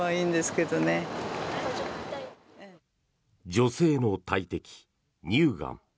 女性の大敵、乳がん。